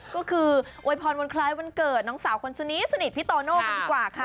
ก็คือโวยพรวันคล้ายวันเกิดน้องสาวคนสนิทพี่โตโน่กันดีกว่าค่ะ